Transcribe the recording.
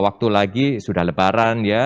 waktu lagi sudah lebaran ya